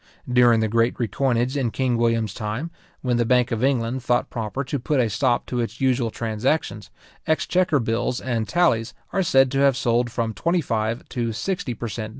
During the great recoinage in king William's time, when the bank of England thought proper to put a stop to its usual transactions, exchequer bills and tallies are said to have sold from twenty five to sixty per cent.